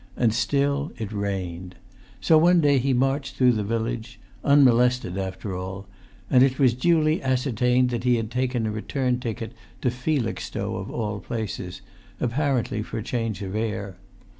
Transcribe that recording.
And still it rained. So one day he marched through the village (unmolested after all), and it was duly ascertained that he had taken a return ticket to Felixstowe, of all places, apparently for change of air.